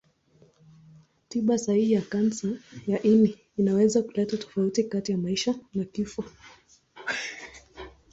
Tiba sahihi ya kansa ya ini inaweza kuleta tofauti kati ya maisha na kifo.